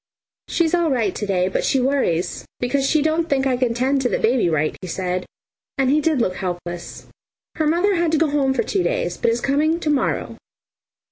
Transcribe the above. "She's all right to day, but she worries because she don't think I can tend to the baby right," he said; and he did look helpless. "Her mother had to go home for two days, but is coming to morrow.